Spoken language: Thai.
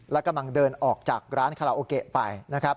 แล้วกำลังเดินออกจากร้านคาลาโอเกะไป